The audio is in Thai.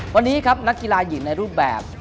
วันนี้ครับนักกีฬาหญิงในรูปแบบ